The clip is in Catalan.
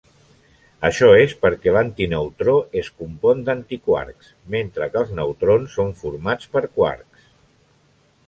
Això és perquè l'antineutró es compon d'antiquarks, mentre que els neutrons són formats per quarks.